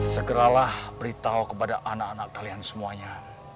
segeralah beritahu kepada anak anak kalian semuanya